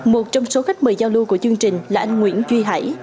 một trong số khách mời giao lưu của chương trình là anh nguyễn duy hải